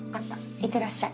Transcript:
いってらっしゃい。